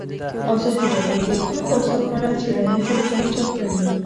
ازادي راډیو د د کار بازار په اړه څېړنیزې لیکنې چاپ کړي.